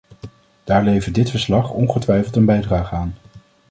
Daar levert dit verslag ongetwijfeld een bijdrage aan.